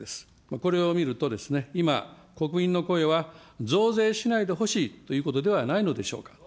これを見ると、今、国民の声は、増税しないでほしいということではないのでしょうか。